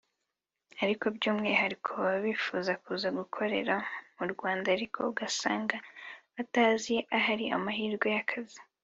ariko by’umwihariko baba bifuza kuza gukorera mu Rwanda ariko ugasanga batazi ahari amahirwe y’akazi